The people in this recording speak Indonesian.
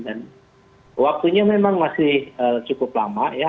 dan waktunya memang masih cukup lama ya